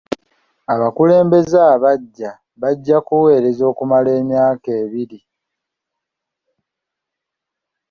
Abakulembeze abaggya bajja kuweereza okumala emyaka ebiri.